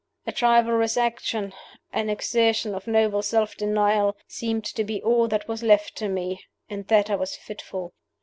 A chivalrous action, an exertion of noble self denial, seemed to be all that was left to me, all that I was fit for.